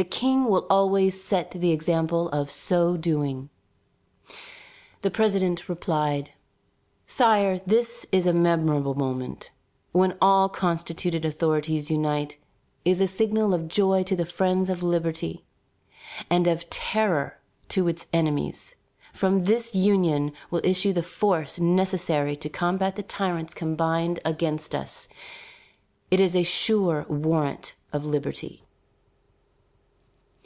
The King will always set the example of so doing." The president replied: "Sire, this memorable moment, when all constituted authorities unite, is a signal of joy to the friends of liberty, and of terror to its enemies. From this union will issue the force necessary to combat the tyrants combined against us. It is a sure warrant of liberty."